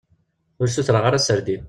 Ur sutreɣ ara serdin.